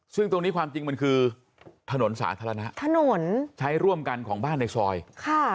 ซึ่งตรงนี้ความจริงมันคือถนนสาธารณะถนนใช้ร่วมกันของบ้านในซอยค่ะ